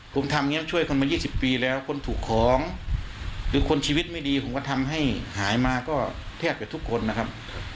ผมทำอย่างนี้ช่วยกันมา๒๐ปีแล้วคนถูกของหรือคนชีวิตไม่ดีผมก็ทำให้หายมาก็แทบจะทุกคนนะครับ